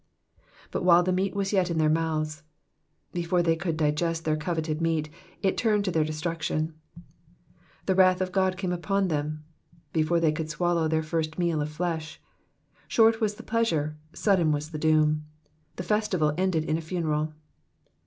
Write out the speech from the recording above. *^But while their meat was yet in their mouths^^"^ before they could digest their coveted meat, it turned to their destruction. '•''The wrath of Ood came vpan them'"* before they could swallow their first meal of flesh. Short was the pleasure, sudden was the doom. The festival ended in a funeral.